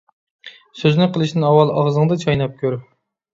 سۆزنى قىلىشتىن ئاۋۋال، ئاغزىڭدا چايناپ كۆر.